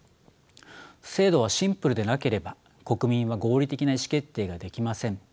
制度はシンプルでなければ国民は合理的な意思決定ができません。